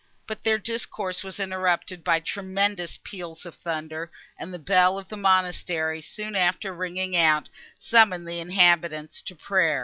But their discourse was interrupted by tremendous peals of thunder; and the bell of the monastery soon after ringing out, summoned the inhabitants to prayer.